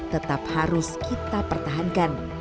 tetap harus kita pertahankan